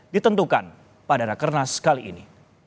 ditentukan pada rakernas kali ini